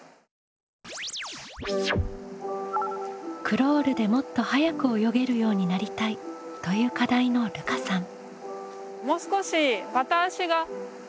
「クロールでもっと速く泳げるようになりたい」という課題のるかさん。